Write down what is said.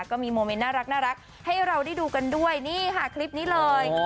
ก็มีโมเมนต์น่ารักให้เราได้ดูกันด้วยนี่ค่ะคลิปนี้เลย